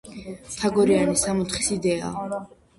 მთაგორიანი „სამოთხის“ იდეაა.